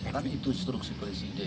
kan itu instruksi presiden